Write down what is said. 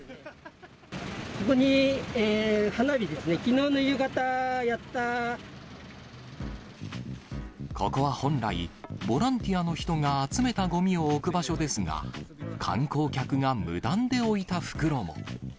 ここに花火ですね、ここは本来、ボランティアの人が集めたごみを置く場所ですが、観光客が無断で置いた袋も。